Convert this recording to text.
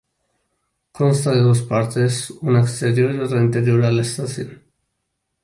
Consta de dos partes, una exterior y otra interior a la estación.